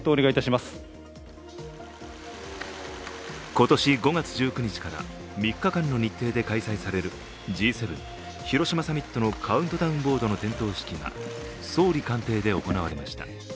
今年５月１９日から３日間の日程で開催されるＧ７広島サミットのカウントダウンボードの点灯式が総理官邸で行われました。